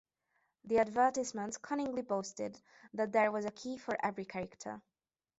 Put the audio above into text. The advertisements "cunningly boasted" that there was "a key for every character!